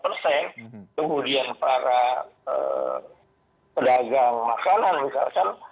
kemudian para pedagang makanan misalkan